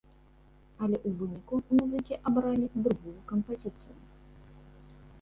Але ў выніку музыкі абралі другую кампазіцыю.